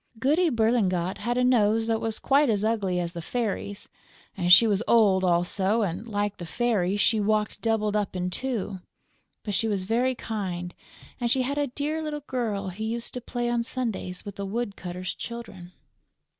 Goody Berlingot had a nose that was quite as ugly as the Fairy's; she was old also; and, like the Fairy, she walked doubled up in two; but she was very kind and she had a dear little girl who used to play on Sundays with the woodcutter's Children.